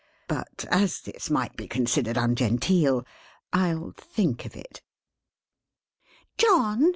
But as this might be considered ungenteel, I'll think of it. "John?